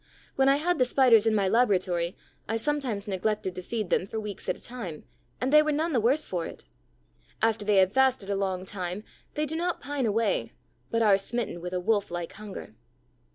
When I had the Spiders in my laboratory, I sometimes neglected to feed them for weeks at a time, and they were none the worse for it. After they have fasted a long time, they do not pine away, but are smitten with a wolf like hunger.